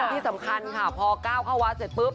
ที่สำคัญค่ะพอก้าวเข้าวัดเสร็จปุ๊บ